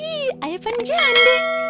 ih ayepan jandek